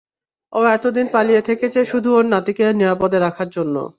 ও এতদিন পালিয়ে থেকেছে শুধু ওর নাতিকে নিরাপদে রাখার জন্য।